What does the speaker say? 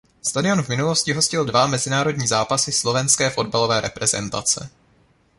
Stadion v minulosti hostil dva mezinárodní zápasy slovenské fotbalové reprezentace.